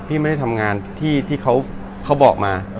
พี่ไม่ได้ทำงานที่เขาบอกมา